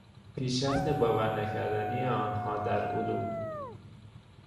پیشرفت باور نکردنی آنها در علوم